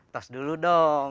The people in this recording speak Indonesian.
tes dulu dong